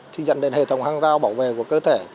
thì dẫn đến hệ thống hang rau bảo vệ của cơ thể